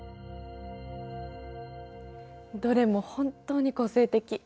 どれも本当に個性的。